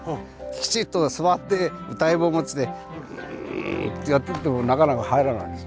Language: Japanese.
きちっと座って謡本持ってんってやってるとなかなか入らないんです。